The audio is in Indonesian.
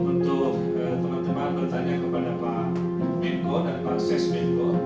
untuk teman teman bertanya kepada pak menko dan pak ses menko